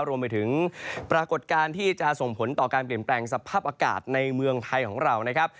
รวมไปถึงปรากฏการณ์ที่จะส่งผลต่อการเปลี่ยนแปลงสภาพอากาศในเมืองไทยของเรานะครับ